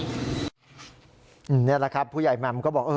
นี่แหละครับผู้ใหญ่แมมก็บอก